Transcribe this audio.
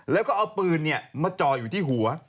แล้วก็เอาปืนมาจ่ออยู่ที่หัว